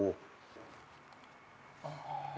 ไม่จึงก็อะไรก็กู